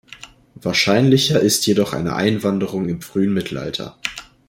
Wahrscheinlicher ist jedoch eine Einwanderung im frühen Mittelalter.